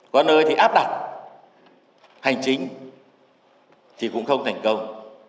có nơi thì áp đặt hành chính thì cũng không thành công